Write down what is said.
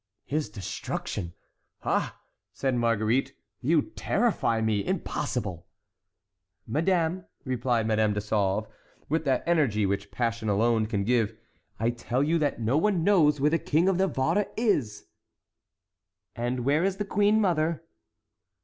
"His destruction! ah," said Marguerite, "you terrify me—impossible!" "Madame," replied Madame de Sauve, with that energy which passion alone can give, "I tell you that no one knows where the King of Navarre is." "And where is the queen mother?"